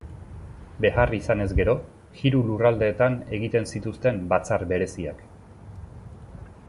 Behar izanez gero, hiru lurraldeetan egiten zituzten Batzar Bereziak.